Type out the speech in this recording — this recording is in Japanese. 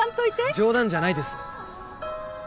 冗談じゃないです。